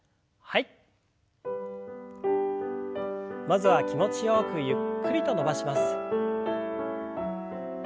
まずは気持ちよくゆっくりと伸ばします。